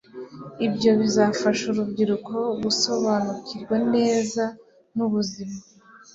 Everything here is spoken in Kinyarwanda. ibyo bizafasha urubyiruko gusobanukirwa neza n ubuzima